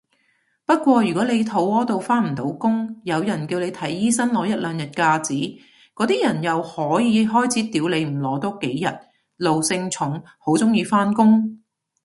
不過如果你肚痾到返唔到工，有人叫你睇醫生攞一兩日假紙，嗰啲人又可以開始屌你唔攞多幾日，奴性重好鍾意返工？